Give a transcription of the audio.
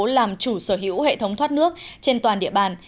làm chủ sở hữu hệ thống thoát nước trên toàn địa bàn